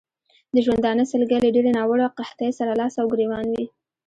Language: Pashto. د ژوندانه سلګۍ له ډېرې ناوړه قحطۍ سره لاس او ګرېوان وې.